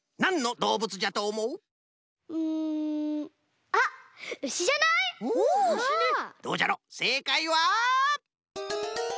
どうじゃろせいかいは。